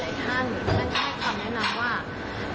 มันก็ได้ความแนะนำว่าเราก็พร้อมที่ยินดีที่จะพูดคุยที่จะเจรจากันค่ะ